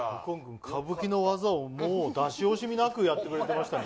歌舞伎の技をもう出し惜しみなくやってくれてましたね。